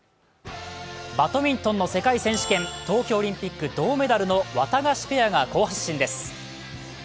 バドミントンの世界選手権東京オリンピック銅メダルのワタガシペアが好発進です。